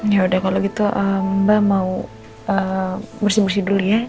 ya udah kalau gitu mbak mau bersih bersih dulu ya